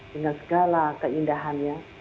dengan segala keindahannya